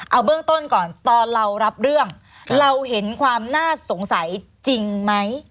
เอาเบื้องต้นก่อนตอนเรารับเรื่องเราเห็นความน่าสงสัยจริงไหม